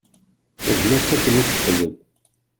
Xdem-as akken i k-texdem.